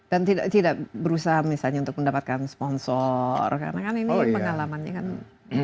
dan tidak berusaha misalnya untuk mendapatkan sponsor karena kan ini pengalamannya kan menarik